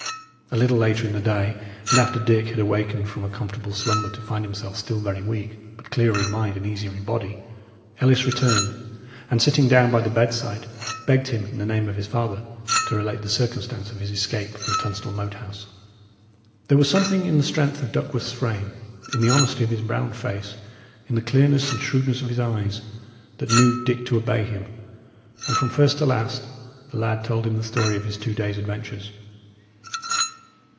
A little later in the day, and after Dick had awakened from a comfortable slumber to find himself still very weak, but clearer in mind and easier in body, Ellis returned, and sitting down by the bedside, begged him, in the name of his father, to relate the circumstance of his escape from Tunstall Moat House. There was something in the strength of Duckworth's frame, in the honesty of his brown face, in the clearness and shrewdness of his eyes, that moved Dick to obey him; and from first to last the lad told him the story of his two days' adventures.